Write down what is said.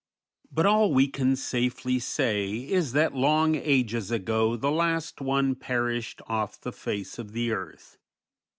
But all we can safely say is that long ages ago the last one perished off the face of the earth.